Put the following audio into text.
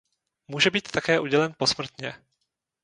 Může být také udělen posmrtně.